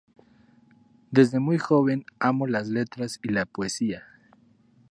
Desde muy joven amó las letras y la poesía.